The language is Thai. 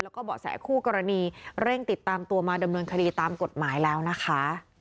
แล้วก็เบาะแสคู่กรณีเร่งติดตามตัวมาดำเนินคดีตามกฎหมายแล้วนะคะ